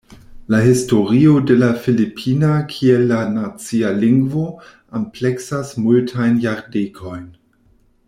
La historio de la Filipina kiel la nacia lingvo ampleksas multajn jardekojn.